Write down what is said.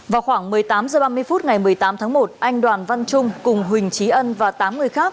vào khoảng một mươi tám h ba mươi phút ngày một mươi tám tháng một anh đoàn văn trung cùng huỳnh trí ân và tám người khác